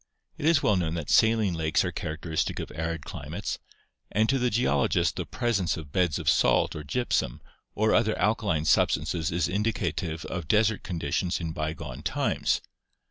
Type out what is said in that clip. It is well known that saline lakes are characteristic of arid climates, and to the geologist the presence of beds of salt or gypsum or other alkaline substances is indicative of desert conditions in bygone times.